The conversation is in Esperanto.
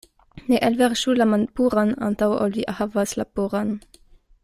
Ne elverŝu la malpuran, antaŭ ol vi havas la puran.